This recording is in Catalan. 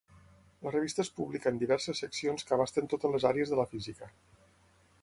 La revista es publica en diverses seccions que abasten totes les àrees de la física.